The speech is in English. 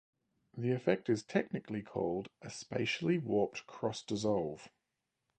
The effect is technically called a "spatially warped cross-dissolve".